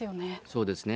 そうですね。